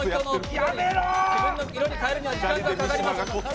自分の色に変えるには時間がかかります。